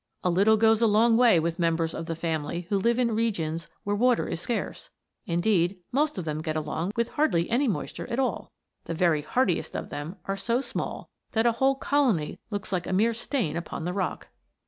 A little goes a long way with members of the family who live in regions where water is scarce. Indeed, most of them get along with hardly any moisture at all. The very hardiest of them are so small that a whole colony looks like a mere stain upon the rock.